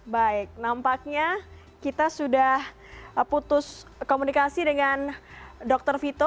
baik nampaknya kita sudah putus komunikasi dengan dr vito